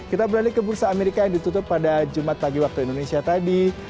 kita beralih ke bursa amerika yang ditutup pada jumat pagi waktu indonesia tadi